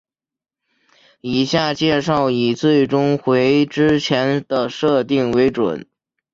以下介绍以最终回之前的设定为准。